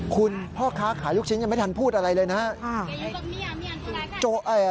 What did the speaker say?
พ่อค้าขายลูกชิ้นยังไม่ทันพูดอะไรเลยนะครับ